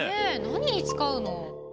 何に使うの？